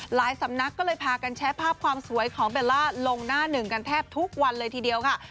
สำนักก็เลยพากันแชร์ภาพความสวยของเบลล่าลงหน้าหนึ่งกันแทบทุกวันเลยทีเดียวค่ะ